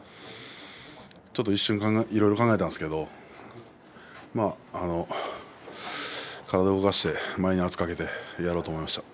ちょっと一瞬いろいろ考えたんですけど体を動かして前に圧をかけてやろうと思いました。